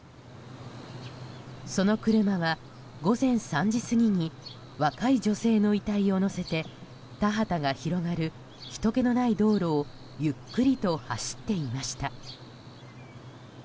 その車は、午前３時過ぎに若い女性の遺体を載せて田畑が広がるひとけのない道路をゆっくりと走っていました。